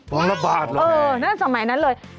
องละบาทเหรอเออนั่นสมัยนั้นเลย